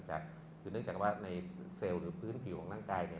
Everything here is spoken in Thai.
คือเนื่องจากว่าในเซลล์หรือพื้นผิวของร่างกายเนี่ย